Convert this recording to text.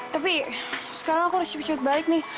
tapi sekarang aku harus cepet cepet balik nih